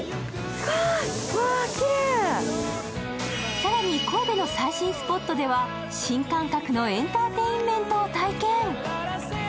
更に、神戸の最新スポットでは新感覚のエンターテインメントを体験。